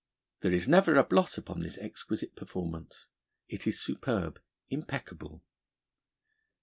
There is never a blot upon this exquisite performance. It is superb, impeccable!